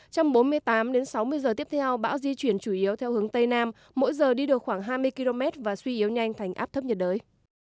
trong bốn mươi tám sáu mươi giờ tiếp theo bão di chuyển chủ yếu theo hướng tây nam mỗi giờ đi được khoảng hai mươi km và suy yếu nhanh thành áp thấp nhiệt đới